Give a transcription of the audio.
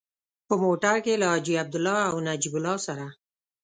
په موټر کې له حاجي عبدالله او نجیب الله سره.